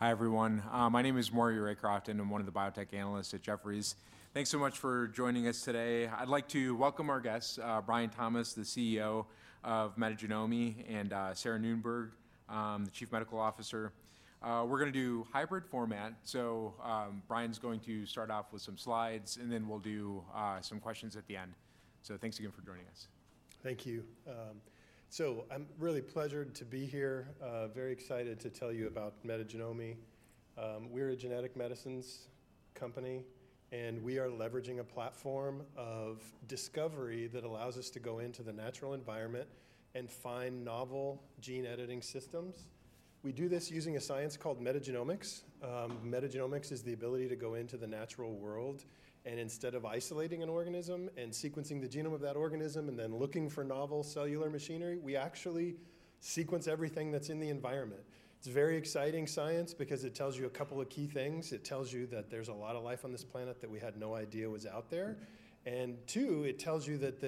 Hi, everyone. My name is Maury Raycroft, and I'm one of the biotech analysts at Jefferies. Thanks so much for joining us today. I'd like to welcome our guests, Brian Thomas, the CEO of Metagenomi, and Sarah Noonberg, the Chief Medical Officer. We're gonna do hybrid format. So, Brian's going to start off with some slides, and then we'll do some questions at the end. So thanks again for joining us. Thank you. So I'm really pleased to be here, very excited to tell you about Metagenomi. We're a genetic medicines company, and we are leveraging a platform of discovery that allows us to go into the natural environment and find novel gene editing systems. We do this using a science called metagenomics. Metagenomics is the ability to go into the natural world, and instead of isolating an organism and sequencing the genome of that organism and then looking for novel cellular machinery, we actually sequence everything that's in the environment. It's a very exciting science because it tells you a couple of key things. It tells you that there's a lot of life on this planet that we had no idea was out there, and two, it tells you that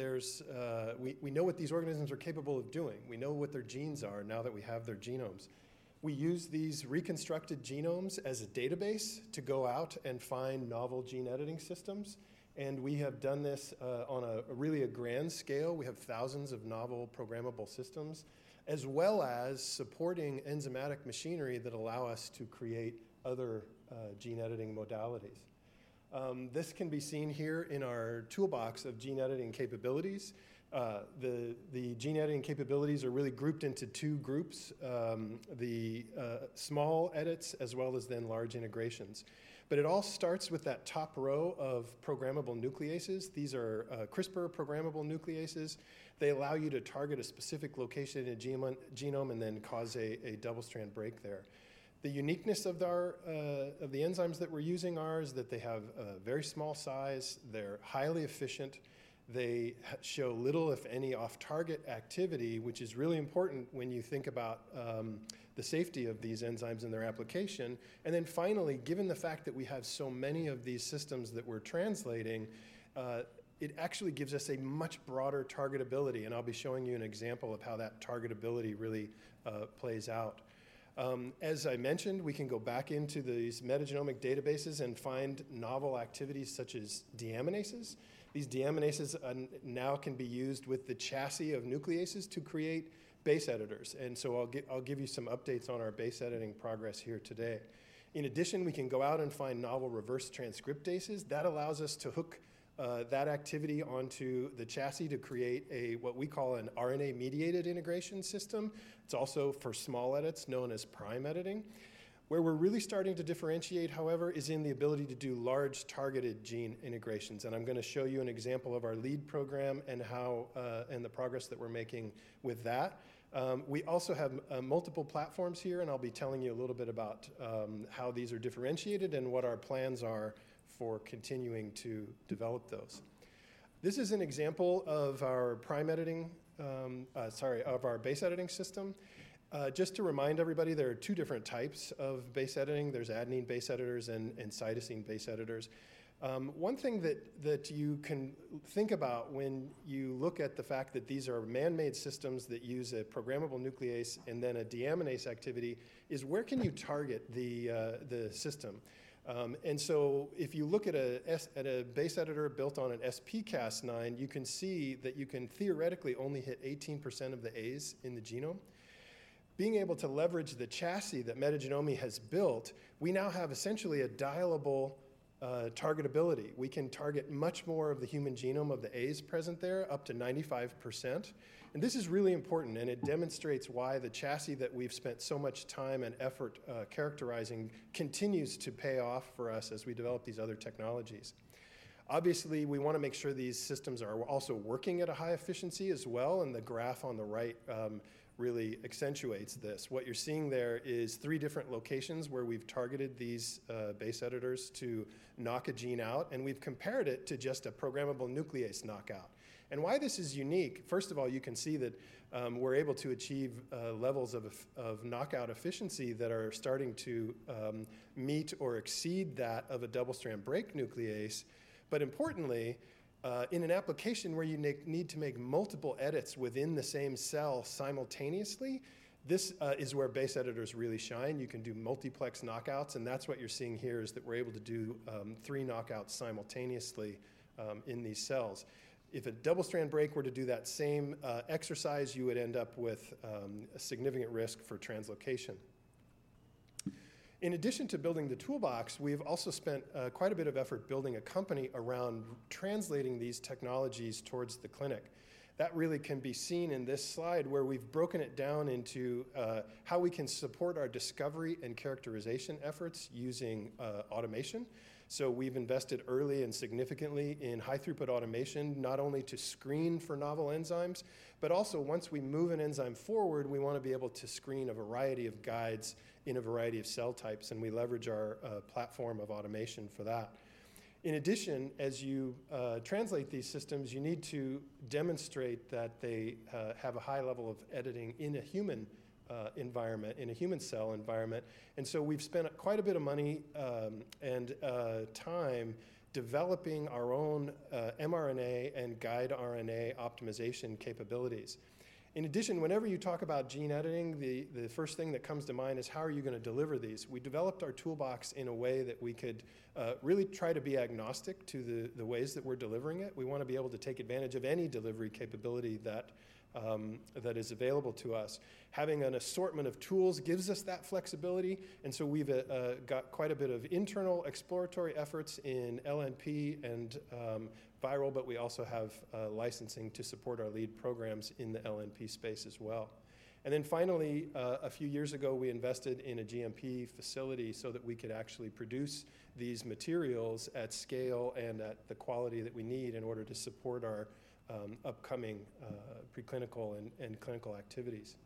we know what these organisms are capable of doing. We know what their genes are now that we have their genomes. We use these reconstructed genomes as a database to go out and find novel gene editing systems, and we have done this on a really grand scale. We have thousands of novel programmable systems, as well as supporting enzymatic machinery that allow us to create other gene editing modalities. This can be seen here in our toolbox of gene editing capabilities. The gene editing capabilities are really grouped into two groups: the small edits as well as then large integrations. But it all starts with that top row of programmable nucleases. These are CRISPR programmable nucleases. They allow you to target a specific location in a genome and then cause a double-strand break there. The uniqueness of our, of the enzymes that we're using are that they have a very small size, they're highly efficient, they show little, if any, off-target activity, which is really important when you think about, the safety of these enzymes and their application. And then finally, given the fact that we have so many of these systems that we're translating, it actually gives us a much broader targetability, and I'll be showing you an example of how that targetability really, plays out. As I mentioned, we can go back into these metagenomic databases and find novel activities such as deaminases. These deaminases, now can be used with the chassis of nucleases to create base editors, and so I'll give, I'll give you some updates on our base editing progress here today. In addition, we can go out and find novel reverse transcriptases. That allows us to hook that activity onto the chassis to create a what we call an RNA-mediated integration system. It's also for small edits, known as prime editing. Where we're really starting to differentiate, however, is in the ability to do large targeted gene integrations, and I'm gonna show you an example of our lead program and how and the progress that we're making with that. We also have multiple platforms here, and I'll be telling you a little bit about how these are differentiated and what our plans are for continuing to develop those. This is an example of our prime editing of our base editing system. Just to remind everybody, there are two different types of base editing. There's adenine base editors and cytosine base editors. One thing that you can think about when you look at the fact that these are man-made systems that use a programmable nuclease and then a deaminase activity is where can you target the system? And so if you look at a base editor built on an SpCas9, you can see that you can theoretically only hit 18% of the A's in the genome. Being able to leverage the chassis that Metagenomi has built, we now have essentially a dialable targetability. We can target much more of the human genome of the A's present there, up to 95%. And this is really important, and it demonstrates why the chassis that we've spent so much time and effort characterizing continues to pay off for us as we develop these other technologies. Obviously, we wanna make sure these systems are also working at a high efficiency as well, and the graph on the right really accentuates this. What you're seeing there is three different locations where we've targeted these base editors to knock a gene out, and we've compared it to just a programmable nuclease knockout. And why this is unique, first of all, you can see that we're able to achieve levels of knockout efficiency that are starting to meet or exceed that of a double-strand break nuclease. But importantly, in an application where you need to make multiple edits within the same cell simultaneously, this is where base editors really shine. You can do multiplex knockouts, and that's what you're seeing here, is that we're able to do three knockouts simultaneously in these cells. If a double-strand break were to do that same exercise, you would end up with a significant risk for translocation. In addition to building the toolbox, we've also spent quite a bit of effort building a company around translating these technologies towards the clinic. That really can be seen in this slide, where we've broken it down into how we can support our discovery and characterization efforts using automation. So we've invested early and significantly in high-throughput automation, not only to screen for novel enzymes, but also once we move an enzyme forward, we wanna be able to screen a variety of guides in a variety of cell types, and we leverage our platform of automation for that. In addition, as you translate these systems, you need to demonstrate that they have a high level of editing in a human environment, in a human cell environment. So we've spent quite a bit of money, and time developing our own mRNA and guide RNA optimization capabilities. In addition, whenever you talk about gene editing, the first thing that comes to mind is: how are you gonna deliver these? We developed our toolbox in a way that we could really try to be agnostic to the ways that we're delivering it. We wanna be able to take advantage of any delivery capability that is available to us. Having an assortment of tools gives us that flexibility, and so we've got quite a bit of internal exploratory efforts in LNP and viral, but we also have licensing to support our lead programs in the LNP space as well. Then finally, a few years ago, we invested in a GMP facility so that we could actually produce these materials at scale and at the quality that we need in order to support our upcoming preclinical and clinical activities.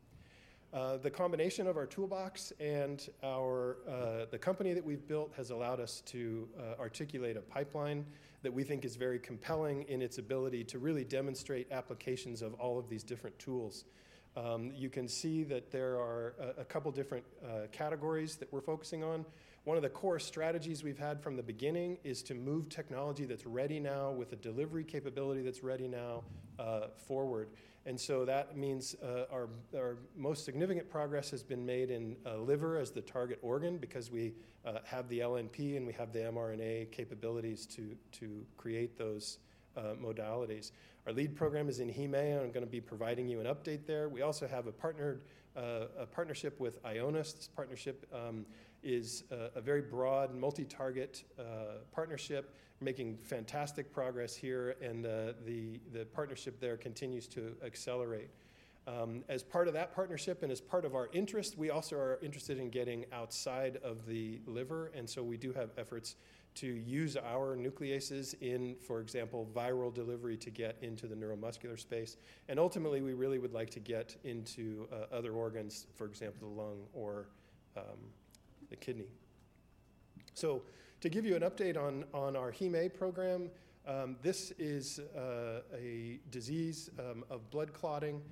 The combination of our toolbox and the company that we've built has allowed us to articulate a pipeline that we think is very compelling in its ability to really demonstrate applications of all of these different tools. You can see that there are a couple different categories that we're focusing on. One of the core strategies we've had from the beginning is to move technology that's ready now with a delivery capability that's ready now, forward. And so that means, our most significant progress has been made in, liver as the target organ because we, have the LNP, and we have the mRNA capabilities to, create those, modalities. Our lead program is in hemophilia, and I'm gonna be providing you an update there. We also have a partnered, a partnership with Ionis. This partnership, is, a very broad, multi-target, partnership, making fantastic progress here, and, the partnership there continues to accelerate. As part of that partnership and as part of our interest, we also are interested in getting outside of the liver, and so we do have efforts to use our nucleases in, for example, viral delivery to get into the neuromuscular space. And ultimately, we really would like to get into other organs, for example, the lung or the kidney. So to give you an update on our heme program, this is a disease of blood clotting.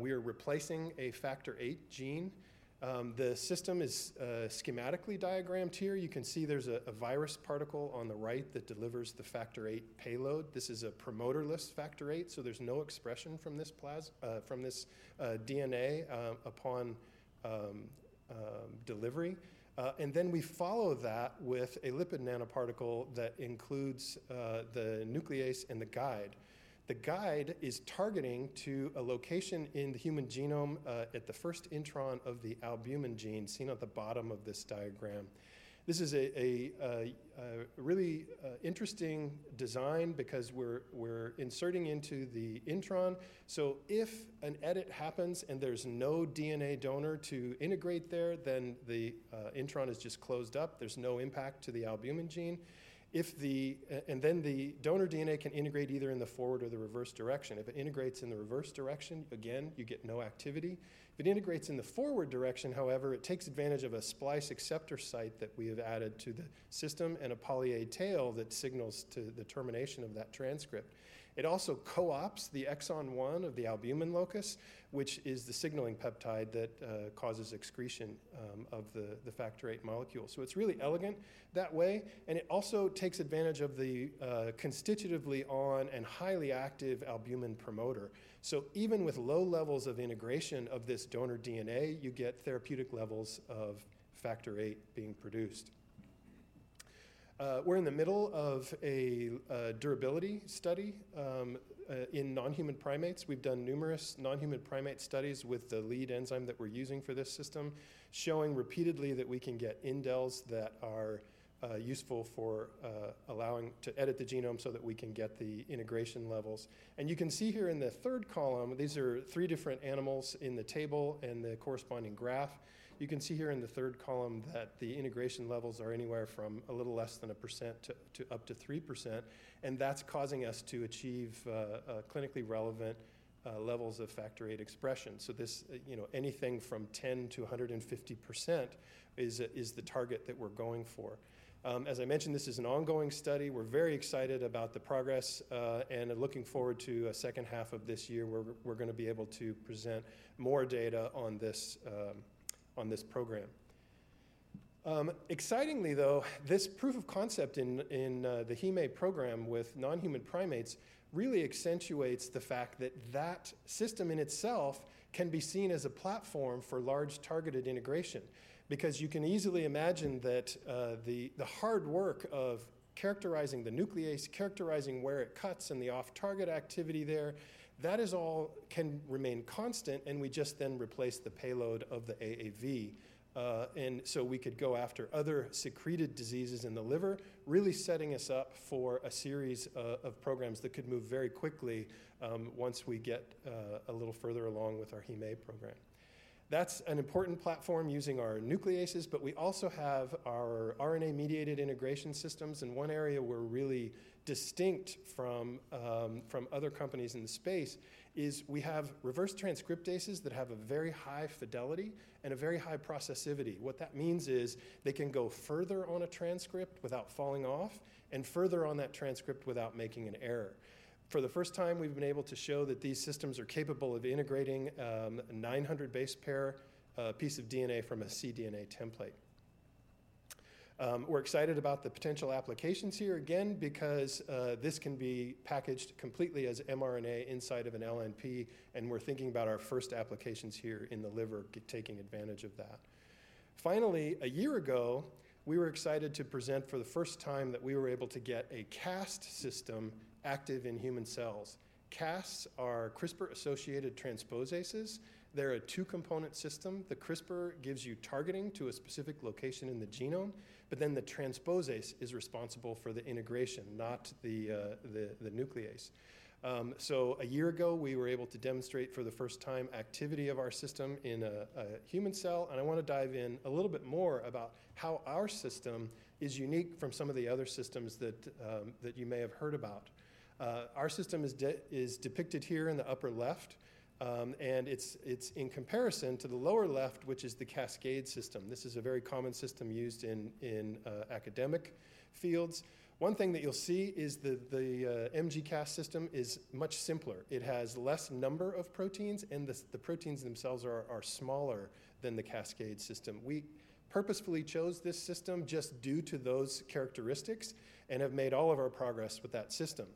We are replacing a Factor VIII gene. The system is schematically diagrammed here. You can see there's a virus particle on the right that delivers the Factor VIII payload. This is a promoter-less Factor VIII, so there's no expression from this DNA upon delivery. And then we follow that with a lipid nanoparticle that includes the nuclease and the guide. The guide is targeting to a location in the human genome, at the first intron of the albumin gene, seen at the bottom of this diagram. This is a really interesting design because we're inserting into the intron. So if an edit happens, and there's no DNA donor to integrate there, then the intron is just closed up. There's no impact to the albumin gene. And then the donor DNA can integrate either in the forward or the reverse direction. If it integrates in the reverse direction, again, you get no activity. If it integrates in the forward direction, however, it takes advantage of a splice acceptor site that we have added to the system and a poly-A tail that signals to the termination of that transcript. It also co-ops the exon one of the albumin locus, which is the signaling peptide that causes excretion of the factor VIII molecule. So it's really elegant that way, and it also takes advantage of the constitutively on and highly active albumin promoter. So even with low levels of integration of this donor DNA, you get therapeutic levels of factor VIII being produced. We're in the middle of a durability study in non-human primates. We've done numerous non-human primate studies with the lead enzyme that we're using for this system, showing repeatedly that we can get indels that are useful for allowing to edit the genome so that we can get the integration levels. And you can see here in the third column, these are three different animals in the table and the corresponding graph. You can see here in the third column that the integration levels are anywhere from a little less than 1% to up to 3%, and that's causing us to achieve clinically relevant levels of factor VIII expression. So this, you know, anything from 10%-150% is the target that we're going for. As I mentioned, this is an ongoing study. We're very excited about the progress and looking forward to a second half of this year, where we're gonna be able to present more data on this program. Excitingly, though, this proof of concept in the heme program with non-human primates really accentuates the fact that that system in itself can be seen as a platform for large targeted integration. Because you can easily imagine that the hard work of characterizing the nuclease, characterizing where it cuts and the off-target activity there, that is all can remain constant, and we just then replace the payload of the AAV. And so we could go after other secreted diseases in the liver, really setting us up for a series of programs that could move very quickly once we get a little further along with our heme program. That's an important platform using our nucleases, but we also have our RNA-mediated integration systems, and one area we're really distinct from other companies in the space is we have reverse transcriptases that have a very high fidelity and a very high processivity. What that means is they can go further on a transcript without falling off, and further on that transcript without making an error. For the first time, we've been able to show that these systems are capable of integrating 900 base pair piece of DNA from a cDNA template. We're excited about the potential applications here, again, because this can be packaged completely as mRNA inside of an LNP, and we're thinking about our first applications here in the liver, taking advantage of that. Finally, a year ago, we were excited to present for the first time that we were able to get a Cas system active in human cells. Cas are CRISPR-associated transposases. They're a two-component system. The CRISPR gives you targeting to a specific location in the genome, but then the transposase is responsible for the integration, not the nuclease. So a year ago, we were able to demonstrate for the first time activity of our system in a human cell, and I wanna dive in a little bit more about how our system is unique from some of the other systems that you may have heard about. Our system is depicted here in the upper left, and it's in comparison to the lower left, which is the Cascade system. This is a very common system used in academic fields. One thing that you'll see is the mgCas system is much simpler. It has less number of proteins, and the proteins themselves are smaller than the Cascade system. We purposefully chose this system just due to those characteristics and have made all of our progress with that system.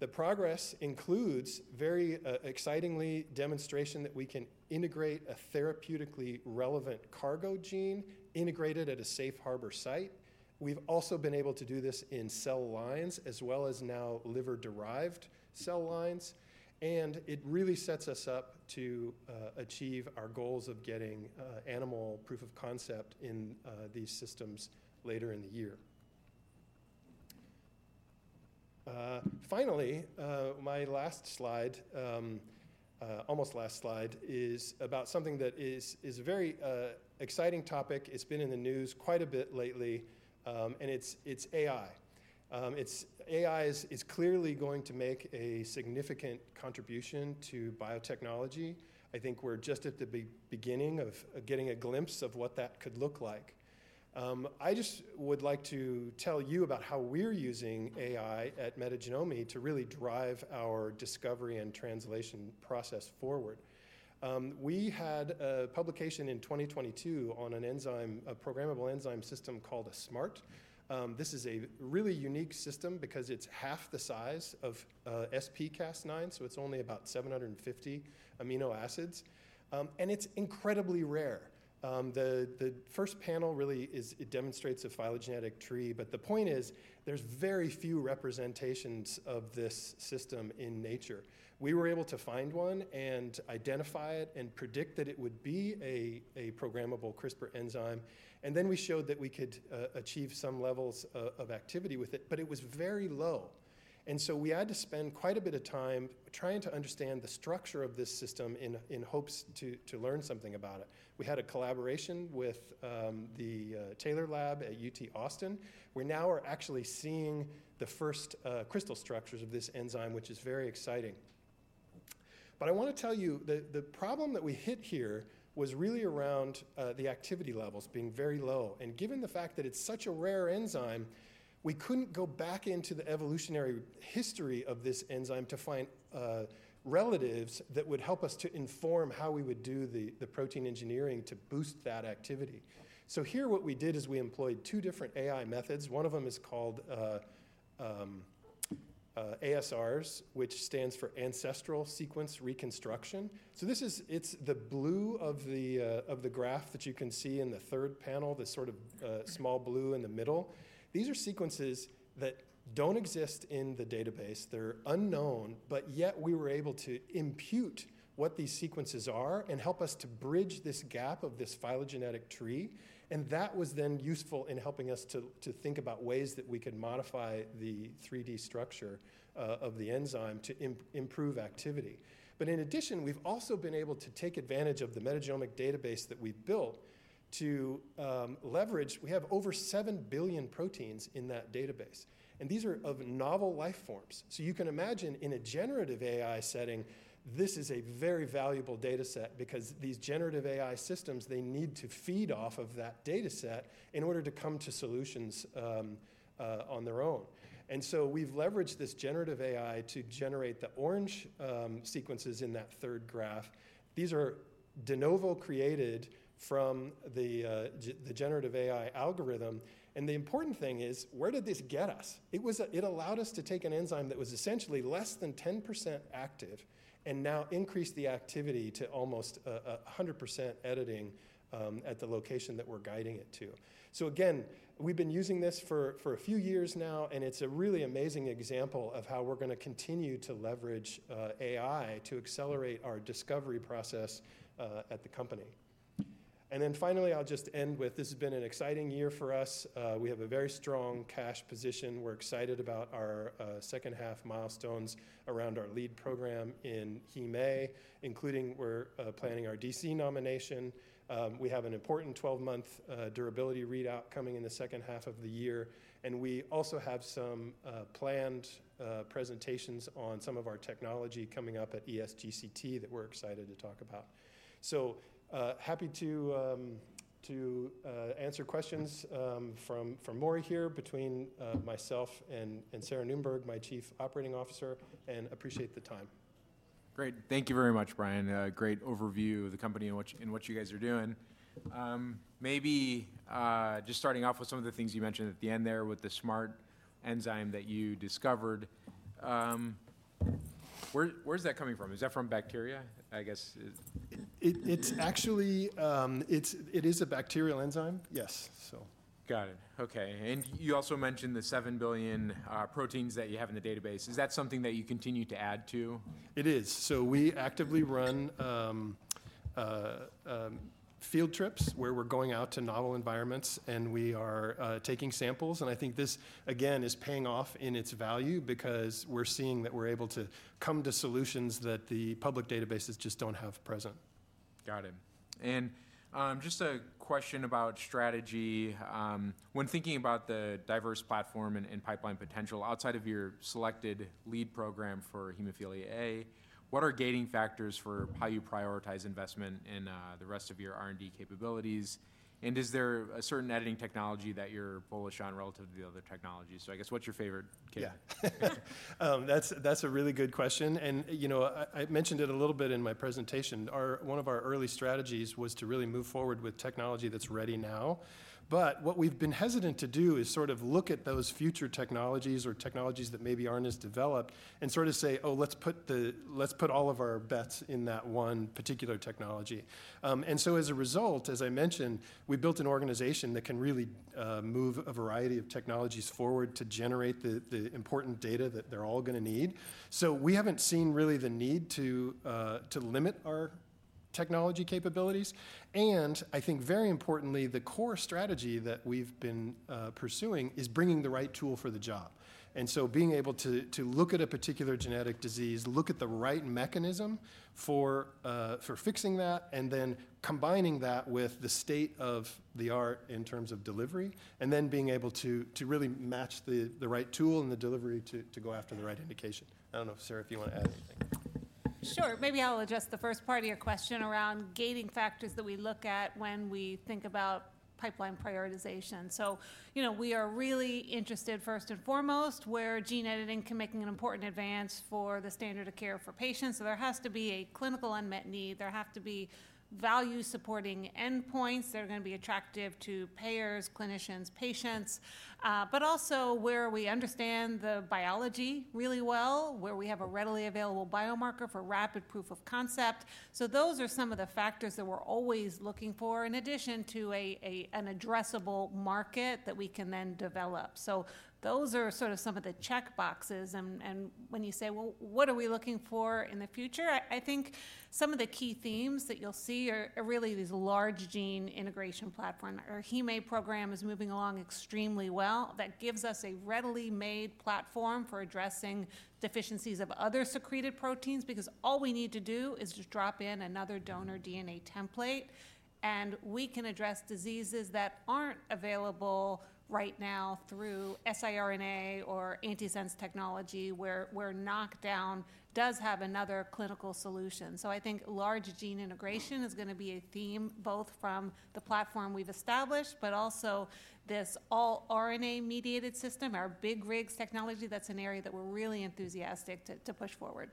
The progress includes very excitingly demonstration that we can integrate a therapeutically relevant cargo gene, integrated at a safe harbor site. We've also been able to do this in cell lines, as well as now liver-derived cell lines, and it really sets us up to achieve our goals of getting animal proof of concept in these systems later in the year. Finally, my last slide, almost last slide, is about something that is a very exciting topic. It's been in the news quite a bit lately, and it's AI. AI is clearly going to make a significant contribution to biotechnology. I think we're just at the beginning of getting a glimpse of what that could look like. I just would like to tell you about how we're using AI at Metagenomi to really drive our discovery and translation process forward. We had a publication in 2022 on an enzyme, a programmable enzyme system called SMART. This is a really unique system because it's half the size of SpCas9, so it's only about 750 amino acids, and it's incredibly rare. The first panel really is, it demonstrates a phylogenetic tree, but the point is, there's very few representations of this system in nature. We were able to find one and identify it and predict that it would be a programmable CRISPR enzyme, and then we showed that we could achieve some levels of activity with it, but it was very low. And so we had to spend quite a bit of time trying to understand the structure of this system in hopes to learn something about it. We had a collaboration with the Taylor Lab at UT Austin. We now are actually seeing the first crystal structures of this enzyme, which is very exciting. But I wanna tell you that the problem that we hit here was really around the activity levels being very low, and given the fact that it's such a rare enzyme, we couldn't go back into the evolutionary history of this enzyme to find relatives that would help us to inform how we would do the protein engineering to boost that activity. So here, what we did is we employed two different AI methods. One of them is called ASRs, which stands for Ancestral Sequence Reconstruction. So this is, it's the blue of the graph that you can see in the third panel, this sort of small blue in the middle. These are sequences that don't exist in the database. They're unknown, but yet we were able to impute what these sequences are and help us to bridge this gap of this phylogenetic tree, and that was then useful in helping us to think about ways that we could modify the 3-D structure of the enzyme to improve activity. But in addition, we've also been able to take advantage of the metagenomic database that we've built to leverage. We have over 7 billion proteins in that database, and these are of novel life forms. So you can imagine, in a generative AI setting, this is a very valuable dataset because these generative AI systems, they need to feed off of that dataset in order to come to solutions on their own. And so we've leveraged this generative AI to generate the orange sequences in that third graph. These are de novo created from the generative AI algorithm, and the important thing is, where did this get us? It allowed us to take an enzyme that was essentially less than 10% active and now increase the activity to almost a 100% editing at the location that we're guiding it to. So again, we've been using this for a few years now, and it's a really amazing example of how we're gonna continue to leverage AI to accelerate our discovery process at the company. Then finally, I'll just end with this has been an exciting year for us. We have a very strong cash position. We're excited about our second half milestones around our lead program in HemA, including we're planning our DC nomination. We have an important 12-month durability readout coming in the second half of the year, and we also have some planned presentations on some of our technology coming up at ESGCT that we're excited to talk about. So, happy to answer questions from Maury here between myself and Sarah Noonberg, my Chief Operating Officer, and appreciate the time. Great. Thank you very much, Brian. A great overview of the company and what you, and what you guys are doing. Maybe just starting off with some of the things you mentioned at the end there with the smart enzyme that you discovered. Where's that coming from? Is that from bacteria? I guess, it- It's actually, it is a bacterial enzyme, yes, so. Got it. Okay. And you also mentioned the 7 billion proteins that you have in the database. Is that something that you continue to add to? It is. So we actively run field trips where we're going out to novel environments, and we are taking samples, and I think this, again, is paying off in its value because we're seeing that we're able to come to solutions that the public databases just don't have present. Got it. And just a question about strategy. When thinking about the diverse platform and pipeline potential outside of your selected lead program for hemophilia A, what are gating factors for how you prioritize investment in the rest of your R&D capabilities? And is there a certain editing technology that you're bullish on relative to the other technologies? So I guess, what's your favorite technology? Yeah. That's a really good question, and, you know, I mentioned it a little bit in my presentation. One of our early strategies was to really move forward with technology that's ready now. But what we've been hesitant to do is sort of look at those future technologies or technologies that maybe aren't as developed and sort of say, "Oh, let's put all of our bets in that one particular technology." And so as a result, as I mentioned, we built an organization that can really move a variety of technologies forward to generate the important data that they're all gonna need. So we haven't seen really the need to limit our technology capabilities. And I think very importantly, the core strategy that we've been pursuing is bringing the right tool for the job. And so being able to look at a particular genetic disease, look at the right mechanism for fixing that, and then combining that with the state of the art in terms of delivery, and then being able to really match the right tool and the delivery to go after the right indication. I don't know, Sarah, if you want to add anything. Sure. Maybe I'll address the first part of your question around gating factors that we look at when we think about pipeline prioritization. So, you know, we are really interested, first and foremost, where gene editing can make an important advance for the standard of care for patients. So there has to be a clinical unmet need, there have to be value-supporting endpoints that are gonna be attractive to payers, clinicians, patients, but also where we understand the biology really well, where we have a readily available biomarker for rapid proof of concept. So those are some of the factors that we're always looking for, in addition to an addressable market that we can then develop. So those are sort of some of the checkboxes, and, and when you say, "Well, what are we looking for in the future?" I, I think some of the key themes that you'll see are, are really this large gene integration platform. Our hemA program is moving along extremely well. That gives us a readily made platform for addressing deficiencies of other secreted proteins, because all we need to do is just drop in another donor DNA template, and we can address diseases that aren't available right now through siRNA or antisense technology, where, where knockdown does have another clinical solution. So I think large gene integration is gonna be a theme, both from the platform we've established, but also this all RNA-mediated system, our Big RIGS technology, that's an area that we're really enthusiastic to, to push forward.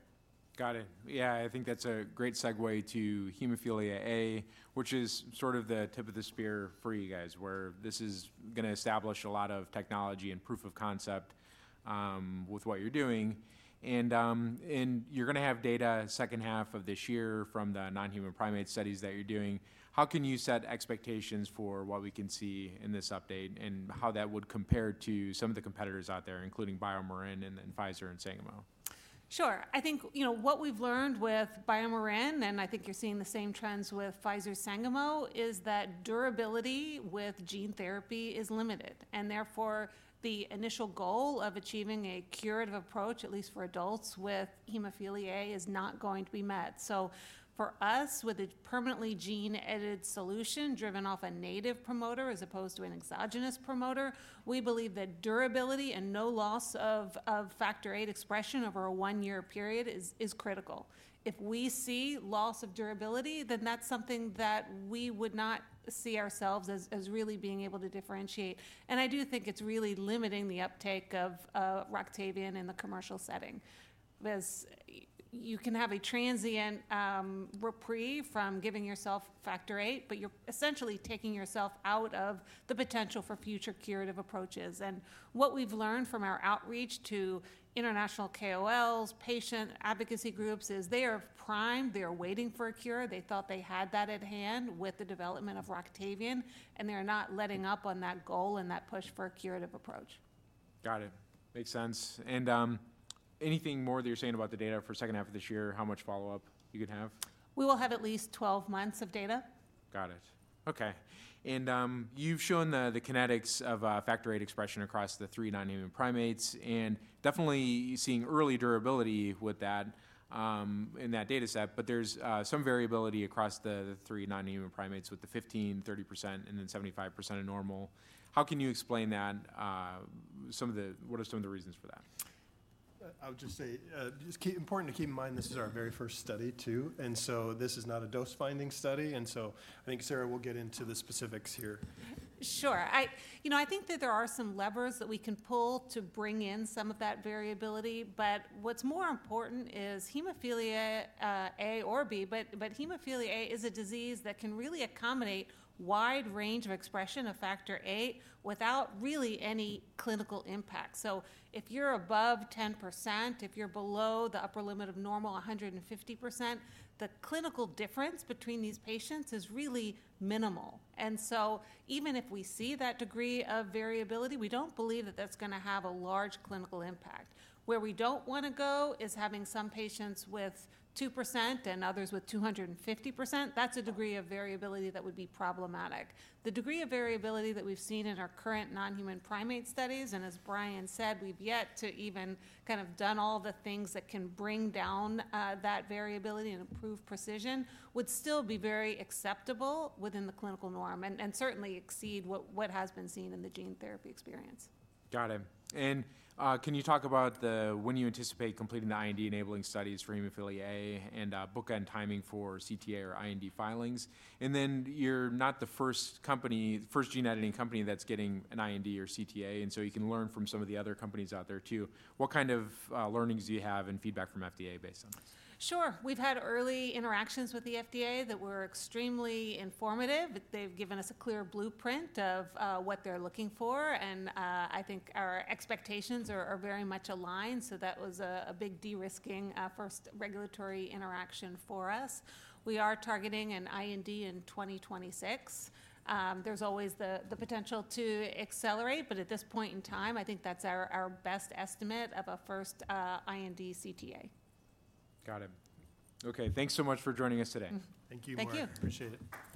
Got it. Yeah, I think that's a great segue to Hemophilia A, which is sort of the tip of the spear for you guys, where this is gonna establish a lot of technology and proof of concept with what you're doing. And you're gonna have data second half of this year from the non-human primate studies that you're doing. How can you set expectations for what we can see in this update, and how that would compare to some of the competitors out there, including BioMarin and then Pfizer and Sangamo? Sure. I think, you know, what we've learned with BioMarin, and I think you're seeing the same trends with Pfizer's Sangamo, is that durability with gene therapy is limited, and therefore, the initial goal of achieving a curative approach, at least for adults with hemophilia A, is not going to be met. So for us, with a permanently gene-edited solution driven off a native promoter as opposed to an exogenous promoter, we believe that durability and no loss of, of factor VIII expression over a 1-year period is, is critical. If we see loss of durability, then that's something that we would not see ourselves as, as really being able to differentiate. And I do think it's really limiting the uptake of ROCTAVIAN in the commercial setting, as you can have a transient reprieve from giving yourself Factor VIII, but you're essentially taking yourself out of the potential for future curative approaches. And what we've learned from our outreach to international KOLs, patient advocacy groups, is they are primed, they are waiting for a cure. They thought they had that at hand with the development of ROCTAVIAN, and they're not letting up on that goal and that push for a curative approach. Got it. Makes sense. And, anything more that you're saying about the data for second half of this year? How much follow-up you could have? We will have at least 12 months of data. Got it. Okay, and you've shown the kinetics of Factor VIII expression across the three non-human primates, and definitely seeing early durability with that, in that data set. But there's some variability across the three non-human primates with the 15, 30%, and then 75% of normal. How can you explain that, some of the—what are some of the reasons for that? I would just say, important to keep in mind, this is our very first study, too, and so this is not a dose-finding study, and so I think Sarah will get into the specifics here. Sure. You know, I think that there are some levers that we can pull to bring in some of that variability, but what's more important is hemophilia A or B, but hemophilia A is a disease that can really accommodate wide range of expression of Factor VIII without really any clinical impact. So if you're above 10%, if you're below the upper limit of normal, 150%, the clinical difference between these patients is really minimal. And so even if we see that degree of variability, we don't believe that that's gonna have a large clinical impact. Where we don't wanna go is having some patients with 2% and others with 250%. That's a degree of variability that would be problematic. The degree of variability that we've seen in our current non-human primate studies, and as Brian said, we've yet to even kind of done all the things that can bring down, that variability and improve precision, would still be very acceptable within the clinical norm, and, and certainly exceed what, what has been seen in the gene therapy experience. Got it. Can you talk about when you anticipate completing the IND-enabling studies for Hemophilia A and bookend timing for CTA or IND filings? And then you're not the first company, first gene-editing company that's getting an IND or CTA, and so you can learn from some of the other companies out there, too. What kind of learnings do you have and feedback from FDA based on this? Sure. We've had early interactions with the FDA that were extremely informative. They've given us a clear blueprint of what they're looking for, and I think our expectations are very much aligned, so that was a big de-risking first regulatory interaction for us. We are targeting an IND in 2026. There's always the potential to accelerate, but at this point in time, I think that's our best estimate of a first IND CTA. Got it. Okay, thanks so much for joining us today. Thank you, Mark. Thank you. Appreciate it.